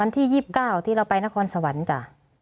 ที่๒๙ที่เราไปนครสวรรค์จ้ะ